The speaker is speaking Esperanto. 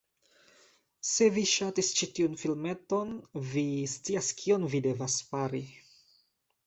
Se vi ŝatis ĉi tiun filmeton, vi scias kion vi devas fari: